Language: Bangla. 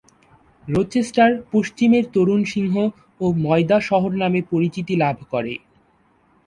রোচেস্টার "পশ্চিমের তরুণ সিংহ" ও "ময়দা শহর"নামে পরিচিতি লাভ করে।